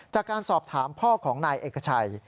จากการสอบถามพ่อของนายเอกชัย